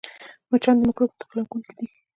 مچان د مکروب انتقالوونکي دي